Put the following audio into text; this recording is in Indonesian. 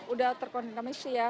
udah terkontaminasi ya